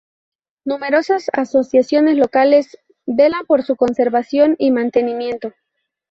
Numerosas asociaciones locales velan por su conservación y mantenimiento.